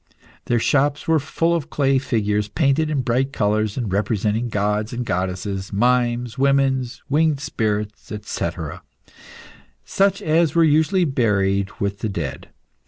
Their shops were full of clay figures painted in bright colours and representing gods and goddesses, mimes, women, winged sprites, &c., such as were usually buried with the dead.